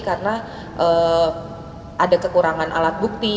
karena ada kekurangan alat bukti